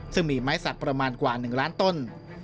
ซึ่งมีไม้สักประมาณกว่า๑ล้านต้น